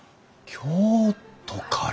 京都から！